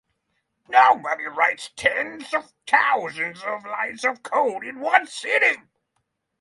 Nobody writes tens of thousands of lines of code in one sitting.